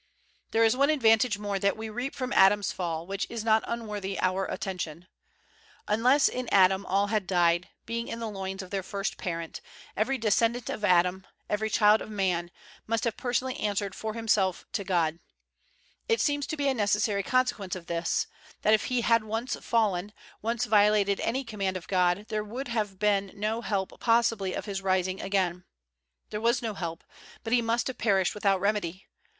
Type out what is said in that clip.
There is one advantage more that we reap from Adam's fall, which is not unworthy our attention. Unless in Adam all had died, being in the loins of their first parent, every descend ant of Adam, every child of man, must have personally answered for himself to God : it seems to be a necessary consequence of this, that if he had once fallen, once violated any command of God, there would have been no possibility of his rising again ; there was no help, but he must have perished without remedy.